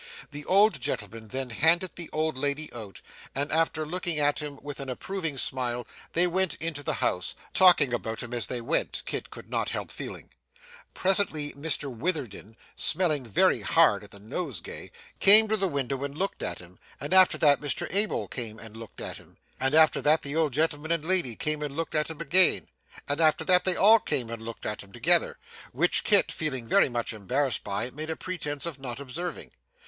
The old gentleman then handed the old lady out, and after looking at him with an approving smile, they went into the house talking about him as they went, Kit could not help feeling. Presently Mr Witherden, smelling very hard at the nosegay, came to the window and looked at him, and after that Mr Abel came and looked at him, and after that the old gentleman and lady came and looked at him again, and after that they all came and looked at him together, which Kit, feeling very much embarrassed by, made a pretence of not observing.